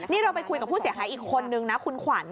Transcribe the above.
นี่เราไปคุยกับผู้เสียหายอีกคนนึงนะคุณขวัญ